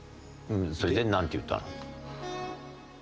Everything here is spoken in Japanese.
それでなんて言ったの？